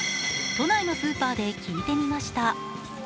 都内のスーパーで聞いてみました。